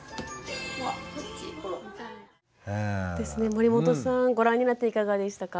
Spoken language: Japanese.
守本さんご覧になっていかがでしたか？